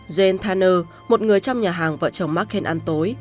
jane tanner một người trong nhà hàng vợ chồng marquen ăn tối